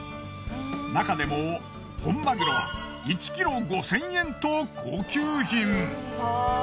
なかでも本マグロは１ｋｇ５，０００円と高級品。